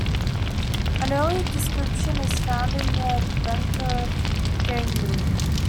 An early description is found in the Bencao Gangmu.